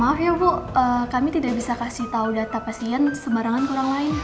maaf ya bu kami tidak bisa kasih tahu data pasien sebarangan ke orang lain